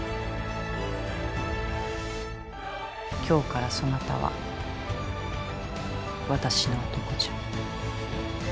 今日からそなたは私の男じゃ。